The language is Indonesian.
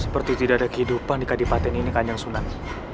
seperti tidak ada kehidupan di kadipaten ini ke anjong sunan